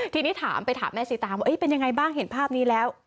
ทีนี้ถามไปถามแม่สีตามว่าเป็นยังไงบ้างเห็นภาพนี้แล้ว